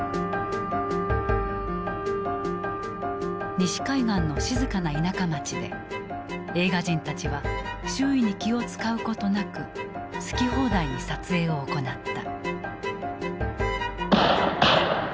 西海岸の静かな田舎町で映画人たちは周囲に気を遣うことなく好き放題に撮影を行った。